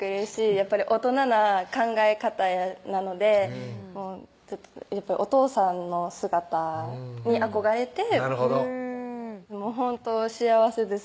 やっぱり大人な考え方なのでやっぱりお父さんの姿に憧れてなるほどほんと幸せです